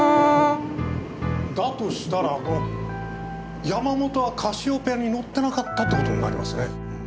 だとしたら山本はカシオペアに乗ってなかったって事になりますね。